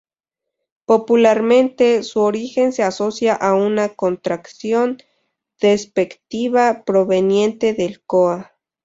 Popularmente, su origen se asocia a una contracción despectiva proveniente del coa.